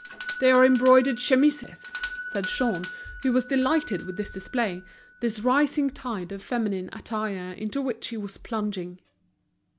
"They are embroidered chemises," said Jean, who was delighted with this display, this rising tide of feminine attire into which he was plunging.